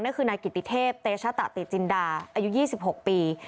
นั่นคือนายกิติเทพเตชะตะติจินดาอายุ๒๖ปี